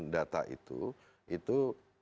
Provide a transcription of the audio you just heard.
data itu itu